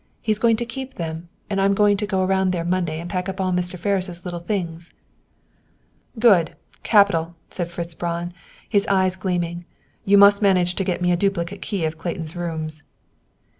He's going to keep them, and I'm to go around there Monday and pack up all Mr. Ferris' little things." "Good, capital!" said Fritz Braun, his eyes gleaming. "You must manage to get me a duplicate key of Clayton's rooms!"